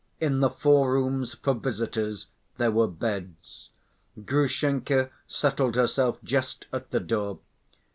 In the four rooms for visitors there were beds. Grushenka settled herself just at the door.